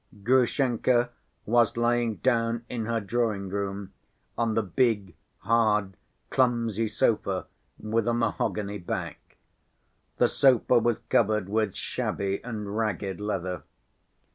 Grushenka was lying down in her drawing‐room on the big, hard, clumsy sofa, with a mahogany back. The sofa was covered with shabby and ragged leather.